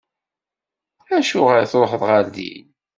Acuɣer i tṛuḥeḍ ɣer din?